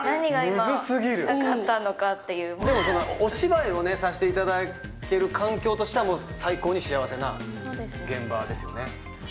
でも、お芝居をさせていただける環境としては、もう最高に幸せな現場ですよね。